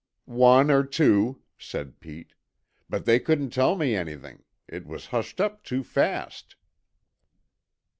"One or two," said Pete. "But they couldn't tell me anything. It was hushed up too fast."